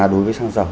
đối với xăng dầu